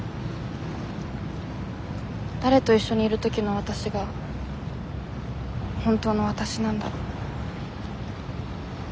誰と一緒にいる時のわたしが本当のわたしなんだろ。